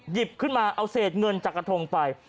หยิบขึ้นมาเอาเศษเงินจากกระทงไป